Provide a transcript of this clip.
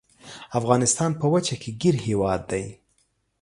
افغانستان په وچه کې ګیر هیواد دی.